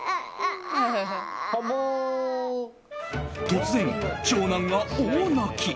突然、長男が大泣き。